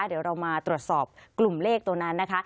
เดี๋ยวเรามาตรวจสอบกลุ่มเลขตัวนั้นนะคะ